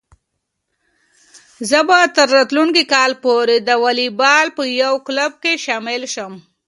زه به تر راتلونکي کال پورې د واليبال په یو کلب کې شامل شم.